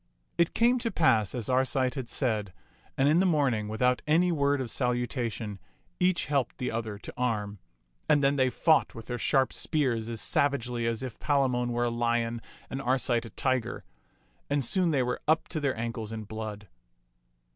It came to pass as Arcite had said, and in the morn ing, without any word of salutation, each helped the other to arm ; and then they fought with their sharp spears as savagely as if Palamon were a lion and Arcite a tiger; and soon they were up to their ankles in blood.